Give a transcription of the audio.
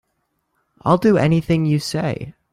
I'll do anything you say.